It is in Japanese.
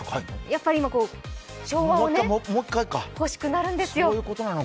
やっぱり昭和が欲しくなるんですよ。